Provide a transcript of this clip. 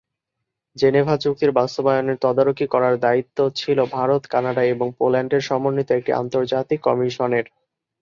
Geneva চুক্তির বাস্তবায়নের তদারকি করার দায়িত্ব ছিল ভারত, কানাডা এবং পোল্যান্ডের সমন্বিত একটি আন্তর্জাতিক কমিশনের।